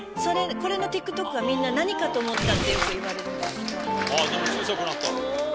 これのＴｉｋＴｏｋはみんな何かと思ったってよく言われるんです。